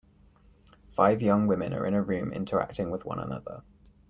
Five young women are in a room interacting with one another.